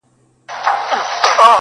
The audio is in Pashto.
په هوا کي د مرغانو پروازونه -